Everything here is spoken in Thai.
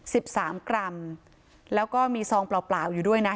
สิบสามกรัมแล้วก็มีซองเปล่าเปล่าอยู่ด้วยนะ